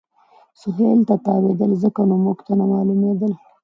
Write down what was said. سهېل ته تاوېدل، ځکه نو موږ ته نه معلومېدل.